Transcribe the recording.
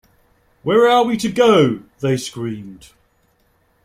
‘Where are we to go to?’ they screamed.